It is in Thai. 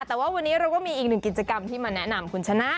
แต่ว่าวันนี้เราก็มีอีกหนึ่งกิจกรรมที่มาแนะนำคุณชนะ